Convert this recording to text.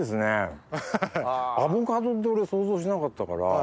アボカドって俺想像しなかったから。